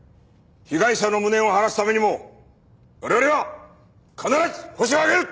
被害者の無念を晴らすためにも我々が必ずホシを挙げる！